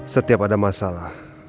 setiap ada masalah